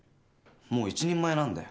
もう一人前なんだよ。